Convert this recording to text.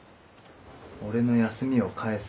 俺の休みを返せ。